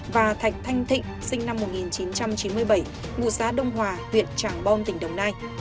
và thạch thanh thịnh sinh năm một nghìn chín trăm chín mươi bảy ngụ xã đông hòa huyện tràng bom tỉnh đồng nai